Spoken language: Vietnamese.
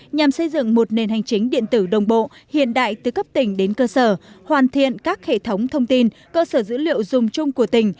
nhằm xây dựng một nền hành chính điện tử đồng bộ hiện đại từ cấp tỉnh đến cơ sở hoàn thiện các hệ thống thông tin cơ sở dữ liệu dùng chung của tỉnh